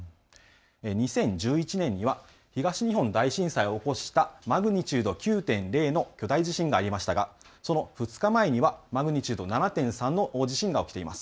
２０１１年には東日本大震災を起こしたマグニチュード９．０の巨大地震がありましたがその２日前にはマグニチュード７．３の大地震が起きています。